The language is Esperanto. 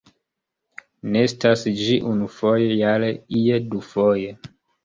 Nestas ĝi unufoje jare, ie dufoje.